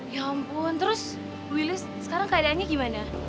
ya ampun terus willy sekarang keadaannya gimana